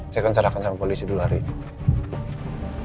saya akan serahkan sama polisi dulu hari ini